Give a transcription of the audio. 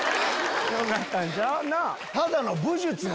よかったんちゃう？なぁ？